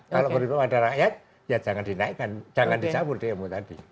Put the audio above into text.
kalau berpihak kepada rakyat ya jangan dinaikkan jangan dicabut dmo tadi